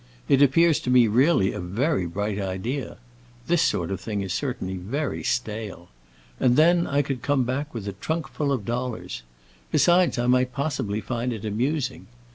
It appears to me really a very bright idea. This sort of thing is certainly very stale. And then I could come back with a trunk full of dollars. Besides, I might possibly find it amusing.